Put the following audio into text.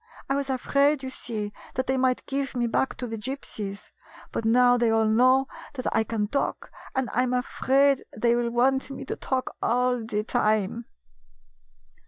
I was afraid, you see, that they might give me back to the Gypsies. But now they all know that I can talk, and I 'm afraid they will want me to talk all the time."